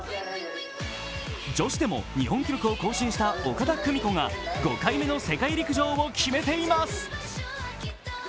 女子でも日本記録を更新した岡田久美子が５回目の世界陸上を決めています。